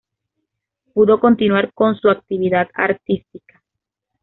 Pudo continuar con su actividad artística.